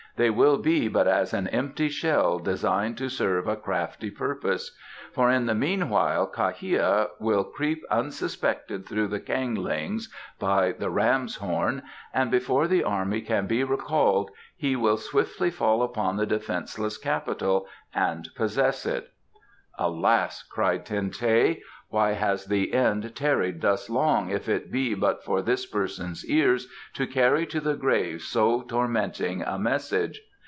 They will be but as an empty shell designed to serve a crafty purpose, for in the meanwhile Kha hia will creep unsuspected through the Kang lings by the Ram's Horn and before the army can be recalled he will swiftly fall upon the defenceless Capital and possess it." "Alas!" exclaimed Ten teh, "why has the end tarried thus long if it be but for this person's ears to carry to the grave so tormenting a message!